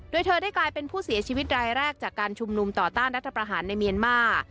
โดยเธอได้กลายเป็นผู้เสียชีวิตรายแรกจากการชุมนุมต่อต้านรัฐประหารในเมียนมาร์